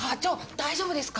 大丈夫ですか？